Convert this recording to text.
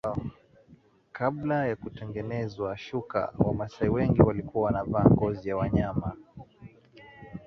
Kabla ya kutengenezwa shuka wamasai wengi walikuwa wanavaa ngozi za wanyama